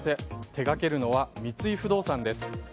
手がけるのは三井不動産です。